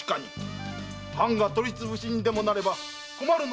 藩が取り潰しにでもなれば困るのは我々だ。